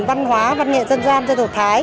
văn hóa văn nghệ dân gian dân tộc thái